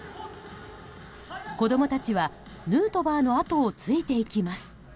子供たちはヌートバーのあとをついていきます。